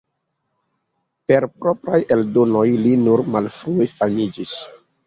Per propraj eldonoj li nur malfrue famiĝis.